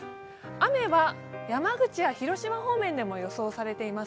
雨は山口や広島方面でも予想されています。